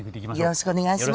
よろしくお願いします。